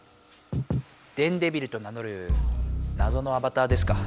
電デビルと名のるなぞのアバターですか。